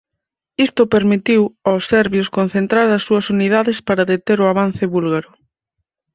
Isto permitiu aos serbios concentrar as súas unidades para deter o avance búlgaro.